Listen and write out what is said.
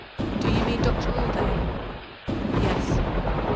"Do you mean Doctor Allday?" "Yes."